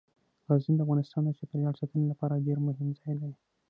غزني د افغانستان د چاپیریال ساتنې لپاره ډیر مهم ځای دی.